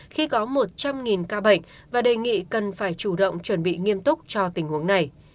khi có một trăm linh ca bệnh và đề nghị cần phải chủ động chuẩn bị nghiêm túc cho tình huống này